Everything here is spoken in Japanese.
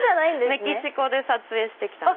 メキシコで撮影して来たもの。